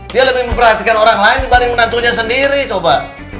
dia lebih memperhatikan orang lain dibanding menantunya sendiri coba